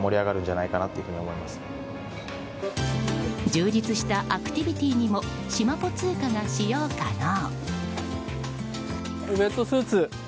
充実したアクティビティーにもしまぽ通貨が使用可能。